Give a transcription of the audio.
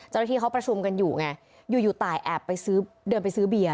เจ้าหน้าที่เขาประชุมกันอยู่ไงอยู่อยู่ตายแอบไปซื้อเดินไปซื้อเบียร์